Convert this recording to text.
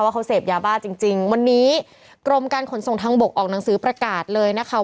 ว่าเขาเสพยาบ้าจริงจริงวันนี้กรมการขนส่งทางบกออกหนังสือประกาศเลยนะคะ